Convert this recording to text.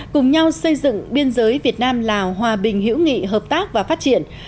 cùng nhau xây dựng biên giới việt nam lào hòa bình hữu nghị hợp tác và phát triển